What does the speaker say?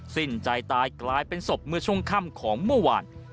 สิ้นใจตายกลายเป็นศพเมื่อช่วงค่ำของเมื่อวาน